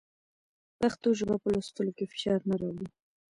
پښتو ژبه په لوستلو کې فشار نه راوړي.